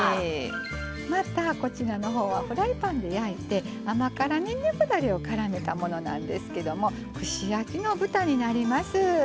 また、こちらはフライパンで焼いて甘辛にんにくだれでからめたものなんですけども串焼きの豚になります。